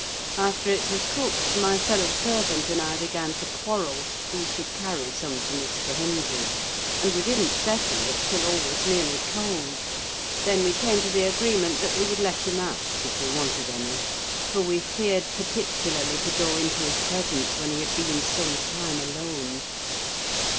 After it was cooked, my fellow servant and I began to quarrel who should carry some to Mr. Hindley; and we didn't settle it till all was nearly cold. Then we came to the agreement that we would let him ask, if he wanted any; for we feared particularly to go into his presence when he had been some time alone.